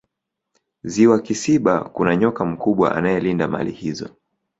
ziwa kisiba kuna nyoka mkubwa anaelinda mali hizo